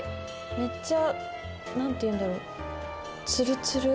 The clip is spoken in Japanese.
めっちゃ何て言うんだろうツルツル。